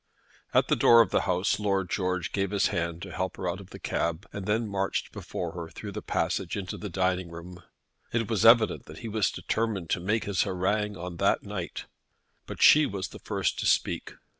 At the door of the house Lord George gave his hand to help her out of the cab, and then marched before her through the passage into the dining room. It was evident that he was determined to make his harangue on that night. But she was the first to speak.